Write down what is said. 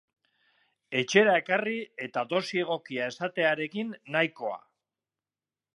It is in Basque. Etxera ekarri eta dosi egokia esatearekin nahikoa.